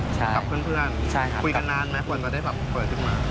คุยกันนานไหมเหมือนเราได้เปิดขึ้นมา